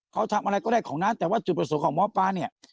เขาทำอะไรก็ได้ของนั้นแต่ว่าจุดประสงค์ของหมอปลาเนี่ย